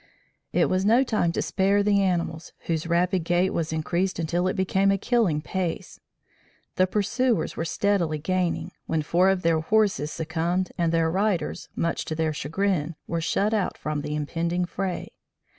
It was no time to spare the animals, whose rapid gait was increased until it became a killing pace. The pursuers were steadily gaining, when four of their horses succumbed and their riders, much to their chagrin, were shut out from the impending fray.